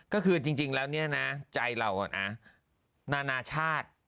ก็คือจริงแล้วใจเรานานาชาติ